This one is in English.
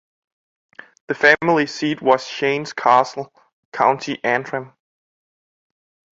The family seat was Shane's Castle, County Antrim.